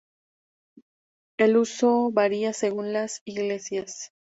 El uso varía según las iglesias.